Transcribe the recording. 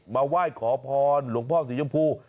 มาไหว้ขอพรหลวงพ่อสีชมพู